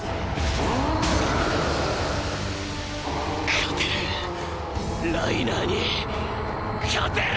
勝てるライナーに勝てる！！